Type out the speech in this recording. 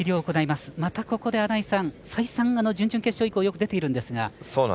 またここで再三、準々決勝以降よく出ているんですが。